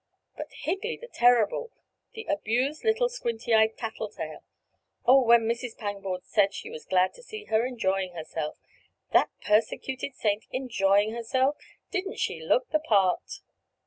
But Higley the terrible! The abused little squinty eyed tattle tale! Oh, when Mrs. Pangborn said she was glad to see her enjoying herself! That persecuted saint enjoying herself! Didn't she look the part?"